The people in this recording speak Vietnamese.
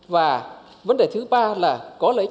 và vấn đề thứ ba là có lợi